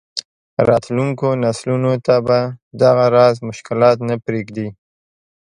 راتلونکو نسلونو ته به دغه راز مشکلات نه پرېږدي.